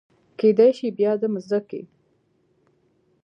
کیدای شي بیا د مځکې